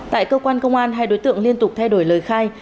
tại cơ quan công an hai đối tượng liên tục thay đổi lời khai